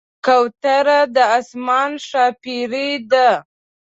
کوتره د آسمان ښاپېرۍ ده.